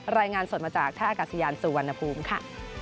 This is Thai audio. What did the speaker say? รายงานสดมาจากท่าอากาศยานสุวรรณภูมิค่ะ